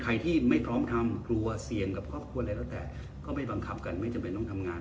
ใครที่ไม่พร้อมทำกลัวเสี่ยงกับครอบครัวอะไรแล้วแต่ก็ไม่บังคับกันไม่จำเป็นต้องทำงาน